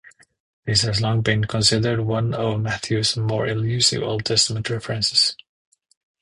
This has long been considered one of Matthew's more elusive Old Testament references.